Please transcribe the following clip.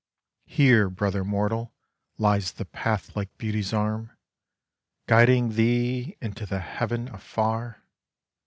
Here, brother mortal, lies the path like Beauty's arm, guiding thee into the Heaven afar